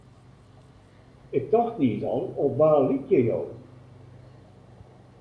Ik tocht niis al, op wa lykje jo?